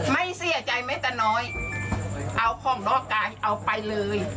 ไม่เสียใจแม้แต่น้อยเอาของนอกกายเอาไปเลย